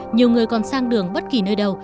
nhiều người còn sang đường bất kỳ nơi đâu